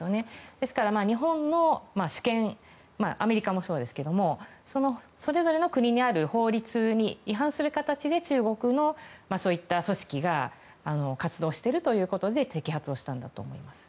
ですから、日本の主権アメリカもそうですけどそれぞれの国にある法律に違反する形で中国のそういった組織が活動しているということで摘発をしたんだと思います。